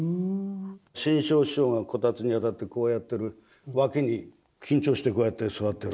志ん生師匠がこたつにあたってこうやってる脇に緊張してこうやって座ってる。